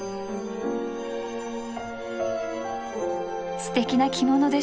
すてきな着物でしょ。